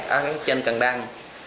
đó là các chân cần đăng